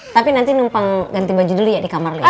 tapi nanti numpang ganti baju dulu ya di kamar lo ya